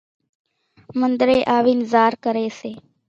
منۮرين آوين زار ڪري سي